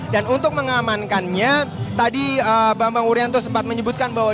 dan untuk mengamankannya tadi bapak urianto sempat menyebutkan bahwa